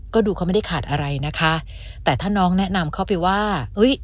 ก็ดูเขาไม่ได้ขาดอะไรนะคะแต่ถ้าน้องแนะนำเข้าไปว่าเอ้ย